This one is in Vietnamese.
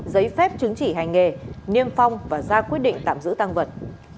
giấy phép chứng chỉ hành nghề niêm phong và ra quyết định tạm giữ tăng vật